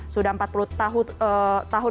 sudah empat puluh tahun